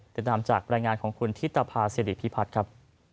ติดตามจากรายงานของคุณธิตภาษิริพิพัฒน์ครับ